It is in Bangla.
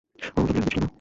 অন্তত প্ল্যান বি ছিলো না?